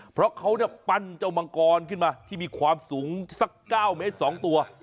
เพราะเขาปั้นเจ้ามังกรขึ้นมาที่มีความสูงสัก๙เมตร๒ตัว